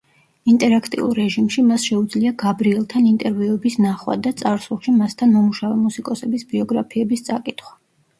ინტერაქტიულ რეჟიმში მას შეუძლია გებრიელთან ინტერვიუების ნახვა და წარსულში მასთან მომუშავე მუსიკოსების ბიოგრაფიების წაკითხვა.